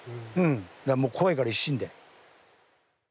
もう怖いから、一心で。